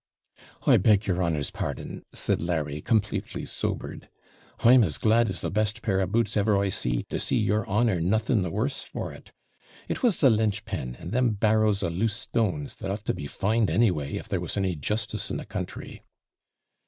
'I beg your honour's pardon,' said Larry, completely sobered; 'I'm as glad as the best pair of boots ever I see, to see your honour nothing the worse for it. It was the linch pin, and them barrows of loose stones, that ought to be fined anyway, if there was any justice in the country.'